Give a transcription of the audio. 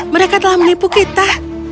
mereka telah menipu kita